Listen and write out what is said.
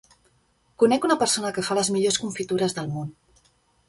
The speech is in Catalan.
Conec una persona que fa les millors confitures del món.